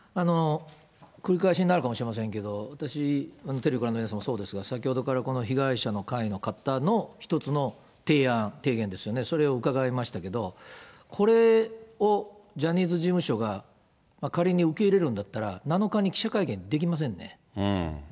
繰り返しになるかもしれませんけど、私、テレビをご覧の皆さんもそうですが、先ほどからこの被害者の会の方の一つの提案、提言ですよね、それを伺いましたけども、これをジャニーズ事務所が仮に受け入れるんだったら、７日に記者会見できませんね。